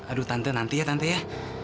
aduh tante nanti ya tante ya